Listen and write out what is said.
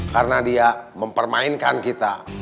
karena dia mempermainkan kita